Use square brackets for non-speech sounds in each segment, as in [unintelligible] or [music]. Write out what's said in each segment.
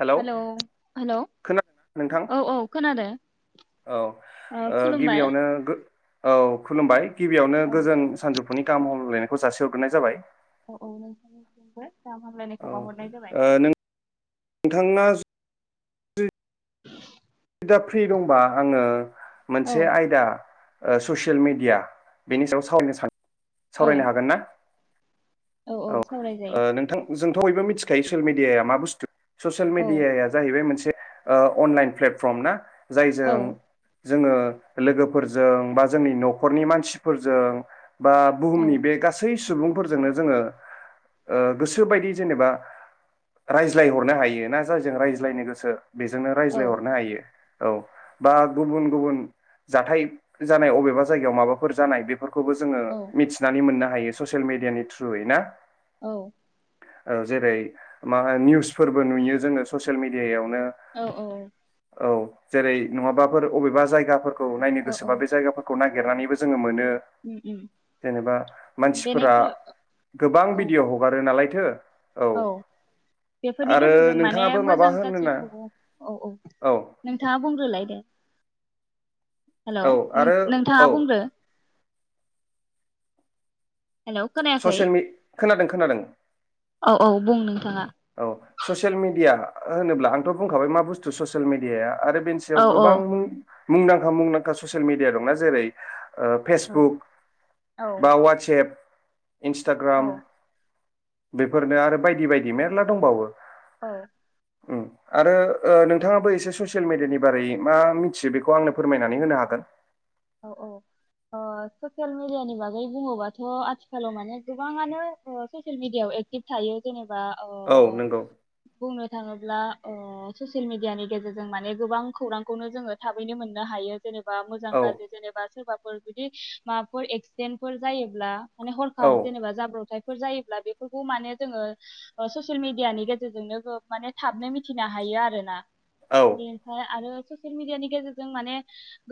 Hello hello खोना नोंथां औ औ खोनादों औ ओ गिबियावनो गो औ खुलुमबाय गिबियावनो औ गोजोन सानजु नि गाहाम हामलायनायखौ जासि हरग्रोनाय जाबाय औ औ नोंथांनिसिमबो गाहाम हामलायनायखौ औ बावहरनाय जाबाय नों नोंथां नोंथाङा फ्रि दंबा आङो औ मोनसे आयदा ओ ससियेल मिडिया बेनि सायाव सावरायनो सानो औ सावरायनो हागोन ना औ औ सावरायजायो ओ नोंथां जोंथ बयबो मिथिखायो ससियेल मिडियाया मा बुस्थु ससियेल मिडियाया जाहैबाय मोनसे ओ अनलाइन प्लेट- फ्रम ना औ जायजों जोङो लोगोफोरजों बा जोंनि नखरनि मानसिफोरजों बा औ बुहुमनि बे गासै सुबुंफोरजोंनो जोङो ओ गोसोबायदि जेनेबा रायज्लायहरनो हायो ना जायजों रायज्लायनो गोसो बेजोंनो औ रायज्लाय हत हायो औ बा गुबुन गुबुन जाथाय जानाय अबेबा जायगायाव माबाफोर जानाय बेफोर खौबो जोङो औ मिथिनानै मोननो हा हायो ससियेल मिडियानि थ्रुयै ना औ ओ जेरै मा निउसफोरबो नुयो जोङो ससियेल मिडियायाव औ औ औ जेरै नङाबाफोर अबेबा जायगा फोर औ नायनो गोसोबा बे जायगाफोरखौ नायनो [unintelligible] नानैबो जोङो मोन नो उम उम जेनेबा मानसिफोरा बेनिफ्राय गोबां औ भिडिअ हगारो नालाय [unintelligible] औ बेफोरनि गेजेरजों माने नोंथाङाबो माबा मोजां होनोना गाज्रिखौ औ औ नोंथाङा बुंग्रोलाय दे हेलौ औ नों आरो नोंथाङा औ बुंग्रो हेलौ खोनायाखै ससियेल मि खोनादों खोनादों औ औ बुं नोंथाङा औ ससियेल मिडिया होनोब्ला आंथ बुंखाबाय मा बुस्थु ससियेल मिडियाया आरो बेनि औ सायाव औ गोबां मुंदांखा मुंदांखा ससियेल मिडिया दंना जेरै ओ औ फेसबुक बा औ वाटसेप इन्सटाग्राम बेफोरनो आरो बायदि बायदि मेरला दंबावो। औ। ओम आरो ओ नोंथाङाबो एसे ससियेल मिडियानि बारै मा मिथियो बेखौ आंनो फोरमायनानै होनो हागोन। औ औ ओ ससियेल मिडियानि बागै बुङोबाथ' आथिखालाव माने गोबाङानो ससियेल मिडियाव एक्टिभ थायो जेनेब बा ओ औ नंगौ बुंनो थाङोब्ला ओ ससियेल मिडियानि गेजेरजों माने गोबां खौरांखौनो जोङो थाबैनो मोननो हायो जेनेबा औ जा जि जेनेबा सोरबा फोर बिदि माबाफोर एक्सिडेन्टफोर जायोब्ला माने औ हरखाब जेनेबा जाब्र'बथाइ फोर जायोब्ला बेफोरखौ माने जोङो ओ ससियेल मिडियानि गेजेरजोंनो ओ माने थाबनो मिथिनो हायो आरो ना। औ बेनिफ्राय आरो ससियेल मिडिया नि गेजेरजों माने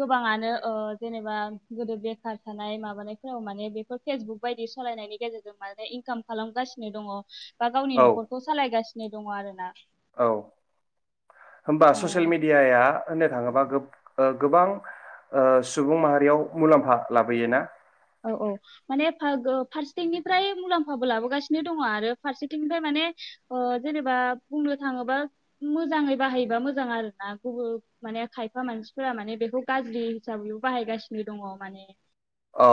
गोबाङानो जेनेबा गोदो बेखार थानाय माबानायफोराव माने बेफोर फेसबुक बायदि सालायनायनि गेजेरजों माने इनकाम खालामगासिनो दङ। बा गावनि औ न'खरखौ सालायगासिनो नाय दङ आरो ना। औ होमबा ओ ससियेल मिडियााया होननो थाङोब्ला। बा गो-गोबां ओ सुबुं माहारियाव मुलाम्फा लाबोयो ना। औ औ माने फा-गो-फारसेथिंनिफ्राय मुलाम्फाबो लाबोगासिनो दङ आरो फारसेथिंनिफ्राय माने ओ जेनेबा बुंनो थाङोबा मोजाङै बाहायोबा मोजां आरोना गुबुन माने खायफा मानसिफोरा माने बेखौ गाज्रि हिसाबैबो बाहायगासिनो दङ माने औ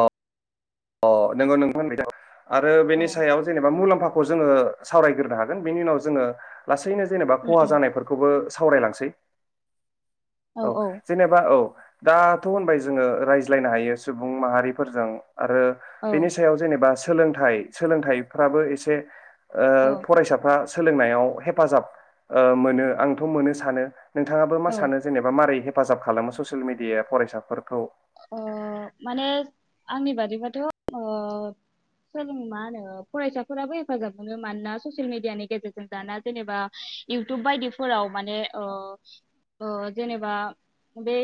अ नोंगौ [inaudible] आरो औ बेनि सायाव जेनेबा मुलाम्फा। जोंडो सावरायग्रोनो हागोन बेनि उनाव जोंडो लासै। हैनो जेनेबा उम खहा उम जानायफोरखौबो सावरायलांसै। औ जेनेबा औ। दाथ' होनबाय जोङो रायज्लायनो हायो सुबुं माहारिफोरजों। आरो औ बेनि सायाव जेनेबा सोलोंथाइ सोलोंथाइफ्राबो एसे। ओ औ फरायसाफ्रा सोलोंनायाव हेफाजाब मोनो आंथ' मोनो सानो। नोंथाङाबो मा औ सानो जेनेबा मारै हे हेफाजाब खालामो ससियेल मिडिया फरायसाफोरखौ। अ माने आंनि बादिबाथ अ सोलों मा होनो फरायसाफोराबो हेफाजाब मोनो मानोना ससियेल मिडियानि गेजेरजों दाना जेनेबा इउटुब बायदिफोराव माने ओ ओ जेनेबा बै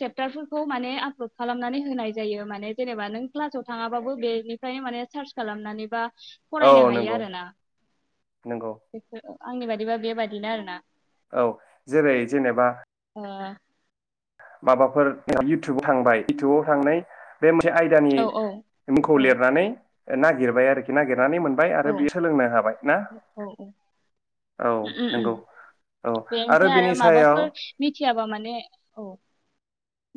सेपटार खौ माने आपलड खालामनानै होनाय जायो माने जेनेबा नों क्लासाव थाङाबाबो बेनिफ्राय माने सार्च खालामनानै बा औ फरायनो हायो नंगौ आरोना नंगौ बेखौ आंनि बायदि बिदिबा बेबादिनो आरोना। औ जेरै जेनेबा ओ माबाफोर इउटुबाव थांबाय इउटुबाव थांनाय बे मोनसे आयदानि औ मुंखौ औ लिरनानै नागिरबाय आरोखि नागिर नानै मोनबाय आरो बे औ सोलोंनो हाबाय ना औ औ उम उम उम नोंगौ औ बे आरो ओमफ्राय बिनि सायाव माबाफोर मिथियाबा माने औ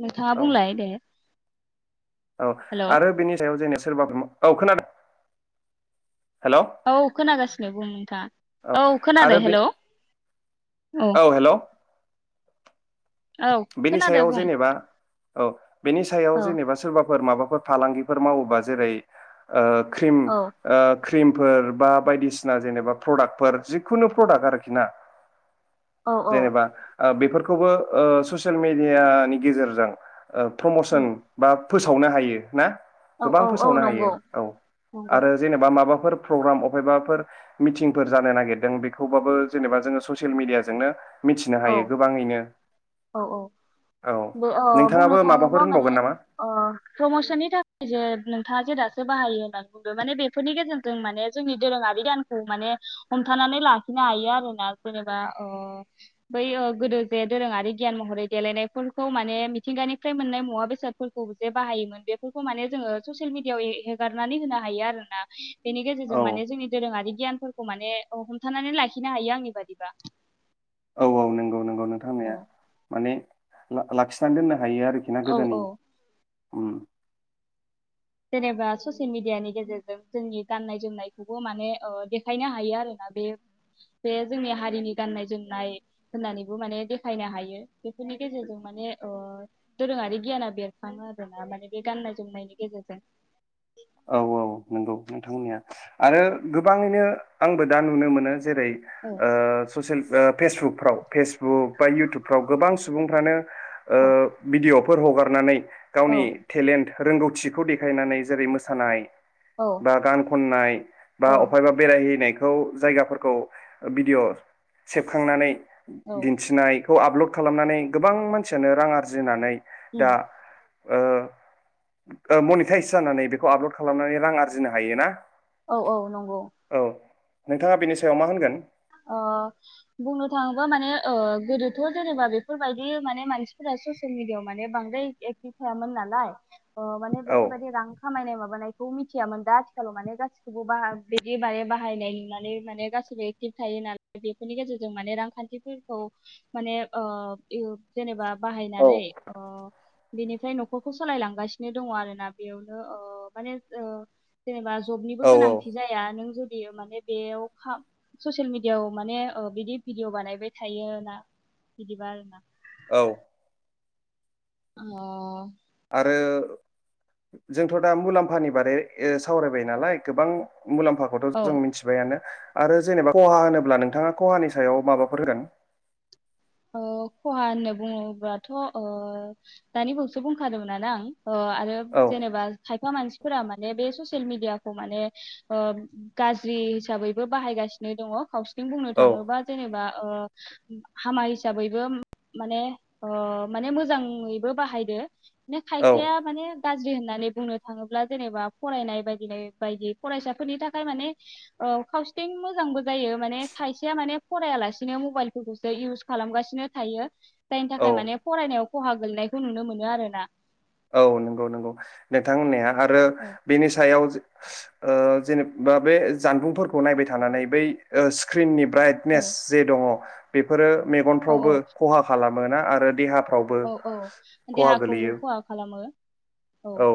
नोंथाङा औ बुंलाय दे। औ हेल' आरो बेनि सायाव जेने सोरबा औ खोनादों हेलौ औ खोनागासिनो बुं औ नोंथाङा खोनादादों आरो बे हेल औ। औ हेलौ औ बेनि खोनादो सायाव बुं जेनेबा औ बेनि सायाव औ जेनेबा सोरबा फोर माबाफोर फालांगिफोर मावोबा जेरै ख्रिम औ ओ क्रिमफोर बा बायदिसिना जेनेबा प्रदाक्टफोर जिखुनु प्रदाक्ट आरोखिना। औ औ जेनेबा ओ बेफोर खौबो ओ ससियेल मेडियानि गेजेरजों औ प्रमसन बा फोसावनो हायो ना? औ गोबां औ औ फोसावनो हायो नंगौ औ नंगौ आरो जेनेबा माबा फोर प्रग्राम अबेबाफोर मिटिंफोर जानो नागिरदों बेखौबाबो जेनेबा जोङो ससियेल मिडियाजोंनो मिथिनो औ हायो गोबाङैनो औ औ औ बे ओ बुंनो नोंथाङाबो माबाफोर थाङोबा माने होनबावगोन नामा ओ प्रमसननि थाखाय जे नोंथाङा जे दा [unintelligible] होननानै बुंदों माने बेफोरनि गेजेरजों माने जोंनि दोरोङारि गानखौ माने हमथानानै लाखिनो हायो आरोना जेनेबा ओ बै गोदो जे दोरोङारि गियान महरै देलायनायफोरखौ माने मिथिंगानिफ्राय मोननाय मुवा बेसादफोरखौ जे बाहायोमोन बेफोरखौ माने जोङो ससियेल मिडियाआव हेगारनानै होनो हायो आरो ना बेनि औ गेजेरजों माने जोंनि दोरोङारि गियानफोरखौ माने हमथानानै लाखिनो हायो आंनि बादिबा औ औ नंगौ नंगौ नोंथां औ। होननाया माने ला लाखिना दोनना थायो आरोखि ना औ गोदोनि औ उम जेनेबा ससियेल मेडियानि गेजेरजों जोंनि गाननाय जोमनायखौबो माने ओ देखायनो हायो आरोना बे बे जोंनि हारिनि गाननाय जोमनाय होननानैबो माने देखायनो हायो बेफोरनि गेजेरजों माने ओ दोरोङारि गियाना बेरखाङो आरोना माने बे गाननाय जोमनायनि गेजेरजों। [unintelligible] औ औ नोंगौ। नोंथांमोनिया आरो गोबाङैनो आंबो दा नुनो मोनो जेरै औ ओ ससेल ओ फेसबुकफ्राव फेसबुक बा इयउटुबफ्राव गोबां सुबुंफ्रानो ओ औ भिदिअ' फोर हगारनानै। औ गावनि थेलेन्ट रोंगौथिखौ देखायनानै जेरै मोस सानाय। औ बा गान खननाय बा औ अफायबा बेरायहैनायख खौ जायगाफोरखौ बिडिअ सेबखांनानै औ दिन्थिनाय खौ आपलड खालामनानै गोबां मानसियानो रां आरजिनानै दा उम ओ ओ मनिटाइस जानानै बे खौ आपलड खालामनानै रां आर्जिनो हायो ना औ औ नंगौ औ नोंथाङा बिनि सायाव मा होनगोन? ओ बुंनो थाङोबा माने ओ गोदोथ जेनेबा बेफोरबायदि माने मानसिफोरा ससेल मिडियाव माने बांद्राय एक्टिभ थायामोन नालाय। ओ माने औ बेफोरबायदि रां खामायनाय माबानायखौ मिथियामोन दा आथिखालाव माने गासिखौबो बाहा बिदि माने बाहायनाय नुनानै माने गासिबो एक टिभ थायो ना बेफोरनि गेजेरजों माने रांखान्थिफोरखौ माने ओ ओ जेनेबा औ बाहायनानै अह बेनिफ्राय नख'रखौ सालायलांगासिनो दङ आरोना बेयावनो ओ माने ओ जेनेबा जबनिबो औ गोनांथि जाया नों जु बियो माने बेयाव खा ससेल मिडियाव माने ओ बिदि भिडिअ बानायबाय थायो ना बिदिबा आरो ना औ। ओ ओ जोंथ दा मुलाम्फानि बारै ओ सावरायबाय नालाय गोबां मुलाम्फाखौथ' औ जों मिथिबायानो आरो जेनेबा खहा होनोब्ला नोंथाङा कहानि सायाव माबाफोर होगोन? खहा होननो बुङोब्लाथ' दानि बसो बुंखादोंमोन ना आं। अ आरो औ जेनेबा थाय खफा मानसिफोरा माने बे ससियेल मिडियाखौ माने ओ गाज्रि हिसाबैबो बाहायगासिनो दङ खावसे। नों बुंनो औ थाङोबा जेनेबा ओ हामाय। हिसाबैबो [inaudible] माने ओ माने मोजाङैबो बाहायदो ना औ खायफाया माने। गाज्रि होननानै बुंनो थाङोब्ला जेनेबा फरायनाय बायदि बायदि फरायसाफोरनि थाखाय माने कावसेथिं मोजांबो जायो माने खायसेया माने फरायालासिनो मबाइलफोरखौसो इउस। खालामगासिनो थायो। जायनि थाखाय औ माने फरायनायाव। खहा गोनायखौ नुनो मोनो आरो ना। औ नंगौ नंगौ नोंथां होन्नाया आरो औ बिनि सायाव। ओ जेनेबा बे जानबुंफोरखौ नायबाय थानानै बै स्क्रिननि। औ ब्राइटनेस जे दङ। बेफोरो। औ मेगनफ्रावबो खहा खालामो। मोना आरो देहा औ औ देहाखौ खहा खालामो। औ।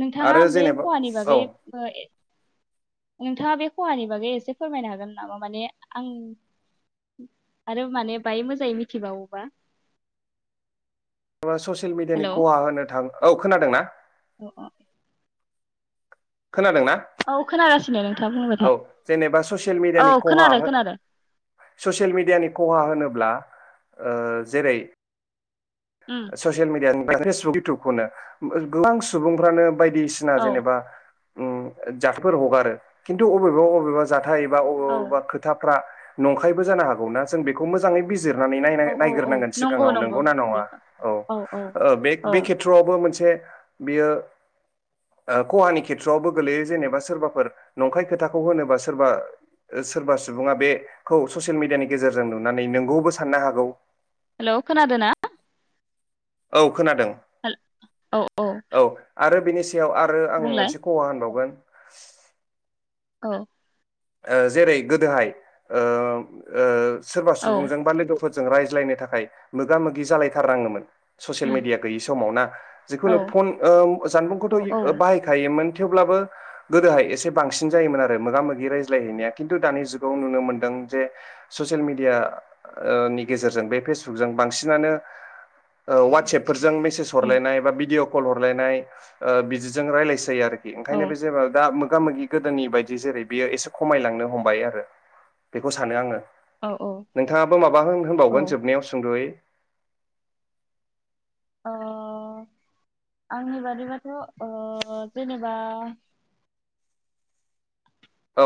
नोंथाङा आरो बे जेनेबा खहानि औ बागै ए नोंथाङा बे खहानि बागै एसे फोरमायनो हागोन नामा? माने आं आरो माने बाय मोजाङै मिथिबावोबा? [unintelligible] ससियेल मिडियानि हेल' औ खहा होनो थां। औ खोनादों ना? [unintelligible] खोनादोंना? औ खोनागासिनो नोंथाङा बुंबाय औ था जेनेबा ससियेल औ मिडियानि खहा खोनादों खोनादों ससियेल मिडियानि खहा होनोब्ला। ओ जेरै- औ ससियेल मिडियानि। [unintelligible] इउथुबखौनो गोबां सुबुंफ्रानो। बायदिसिना जेनेबा। उ जाथायफोर हगारो खिन्थु अबेबा अबेबा जा थाय अबा औ अबा खोथा। फ्रा नंखायबो जानो हागौना जों बेखौ मोजाङै बिज रनानैनाय औ औ औ नायग्रोनांगोन नंगौ सिगाङाव नंगौ नंगौना दे नङा औ ओ औ बे खेथ्र'आवबो मोनसे। बेयो ओ खहानि खेत सवावबो गोलैयो जेनेबा सोरबाफोर नंखाय खोथाखौ होनोबा सोरबा सोरबा सुबुङा बेखौ ससियेल मिडियानि गेजेरजों नुनानै नोंगौबो साननो हागौ। हेलौ खोनादोना? औ खोनादों। औ आरो फिनिस थियाव आरो आं बुंलाय मोनसे खहा होनबावगोन [inaudible] औ ओ जेरै गोदोहाय ओ ओ सोरबा औ सुबुंजों बा लोगो फोरजों रायज्लायनो थाखाय मोगा मोगि जालायथारनाङोमोन। ससियेल उम मिडिया गैयि समावना औ जिखुनु फन ओ जानबुंखौथ' औ औ ओ बाहायखायोमोन। थेवब्लाबो गोदोहाय एसे बांसिन जायोमोन आरो मोगा मोगि रायज लायहैनाया किन्टु दानि जुगाव नुनो मोनदों जे ससिल मिडियानि गेजेरजों बे फेसबुकजों बांसिनानो वातसेपफोर जों मेसेज उम हरलाय बा भिडिअ। कल हरलायनाय ओ बिदिजों रायज्लायसै आरो। बि औ ओंखायनो बे जेबा [unintelligible] मोगा मोगि गोदोनि बायदि जेरै बियो एस खमायलांनो हमबाय आरो बेखौ सानो आङो। औ नोंथाङाबो माबा औ होन-होनबावगोन जोबनायाव सुंद'यै? ओ आंनि बादिबाथ' ओ जेनेबा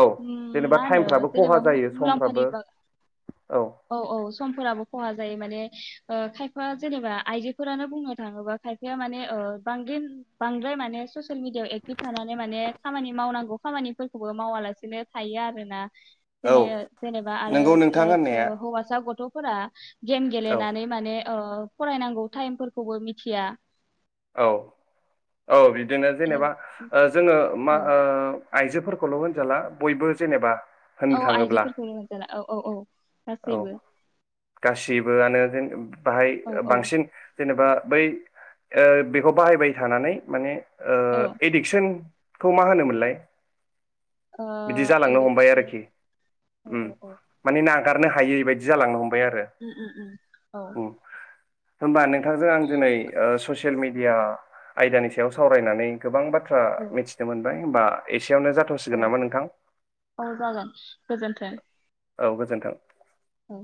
औ जेनेबा मा होनो टाइमफ्राबो खहा जेनेबा जायो मु-मुलाम्फानि समफ्राबो बा औ औ समफोराबो खहा जायो माने ओ खायफा जेनेबा आइजोफोरानो बुंनो थाङोबा खायफाया माने ओ बांगिन बांद्राय माने सस ससिल मिडियाव एक्टिभ थानानै माने। खामानि मावनांगौ खामानिफोरखौबो मावालासे बिदिनो थायो आरो ना। औ जेने जेनेबा आरो नोंगौ ओ नोंथां सो होननाया हौवासा गथ'। फोरा। गेम औ गेलेनानै माने। ओ फरायनांगौ टाइमफोरखौबो मिथिया। औ औ बिद बिदिनो ए, जेनेबा ओ जोङो मा औ ओ। आइजोफोरखौल होनजाला बयबो जेनेबा। होननो औ थाङोब्ला आइजोफोरखौल' मोनजाला औ औ औ औ गासैबो गासैबोआनो जों बाहाय औ औ बांसिन जेनेबा बै ओ बेखौ बाहायबाय थानानै माने ओ औ इडिक्सन खौ मा होनोमोनलाय? ओ बिदि जालांनो हमबाय इडुकेसन आरोखि औ उम औ औ माने ना गारनो हायैबादि जांलांनो हम उ उ औ होमबा नोंथांजों आं दिनै ओ सु ससियेल मिडिया आयदानि सायाव सावरायनानै गोबां बाथ थ्रा मिथिनो मोनबाय होमबा एसेयावनो अ जाथ'सिगोन नामा नोंथां औ जागोन गोजोन्थों। औ गोजोन्थों। औ